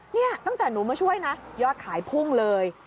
นี่ตั้งแต่หนูมาช่วยนะยอดขายพุ่งเลย